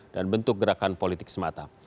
dan bentuk gerakan politik semata